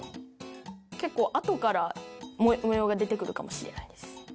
結構あとから模様が出てくるかもしれないです。